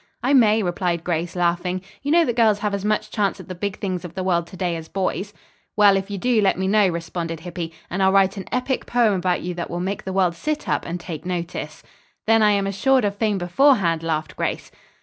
"I may," replied Grace, laughing. "You know that girls have as much chance at the big things of the world to day, as boys." "Well, if you do, let me know," responded Hippy, "and I'll write an epic poem about you that will make the world sit up and take notice." "Then I am assured of fame beforehand," laughed Grace.